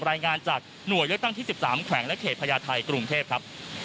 รายงานจากหน่วยเลือกตั้งที่๑๓แขวงและเขตพญาไทยกรุงเทพครับ